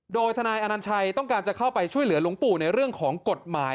โดยทนายอนัญชัยต้องการจะเข้าไปช่วยเหลือหลวงปู่ในเรื่องของกฎหมาย